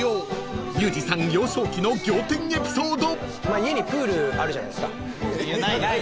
［ユージさん幼少期の仰天エピソード］